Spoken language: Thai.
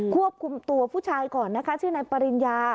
ควบคุมตัวผู้ชายก่อนนะคะชื่อนายปริญญา